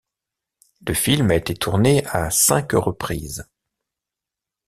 Le film a été tourné à cinq reprises.